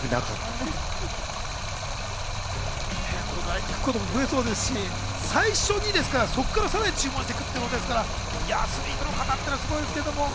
これから行くことも増えそうですし、最初にですから、そこからさらに注文をしていくってことですから、アスリートの方、すごいです。